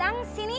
kang dadang sini